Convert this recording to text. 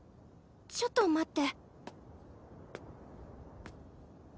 ちょっと待って。